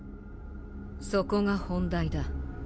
そこが本題だ。